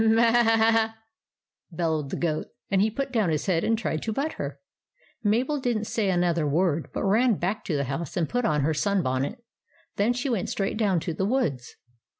" M m a a a !" bellowed the goat, and he put down his head and tried to butt her. Mabel did n't say another word, but ran back to the house and put on her sun bonnet. Then she went straight down to the woods.